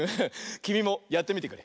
きみもやってみてくれ。